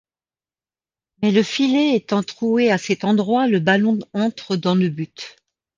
Mais le filet étant troué à cet endroit, le ballon entre dans le but.